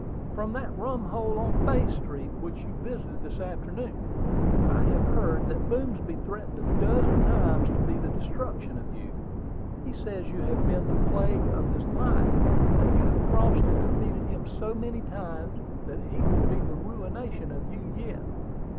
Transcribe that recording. "From that rumhole in Bay Street which you visited this afternoon. I have heard that Boomsby threatened a dozen times to be the destruction of you. He says you have been the plague of his life; that you have crossed and defeated him so many times that he will be the 'ruination' of you yet.